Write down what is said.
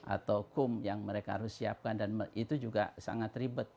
atau kum yang mereka harus siapkan dan itu juga sangat ribet